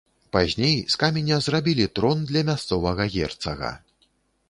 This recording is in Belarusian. Пазней з каменя зрабілі трон для мясцовага герцага.